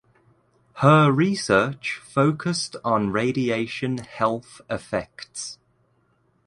Her research focused on radiation health effects.